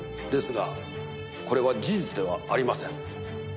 ですがこれは事実ではありません。